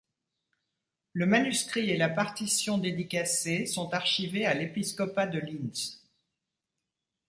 Le manuscrit et la partition dédicacée sont archivés à l'épisopat de Linz.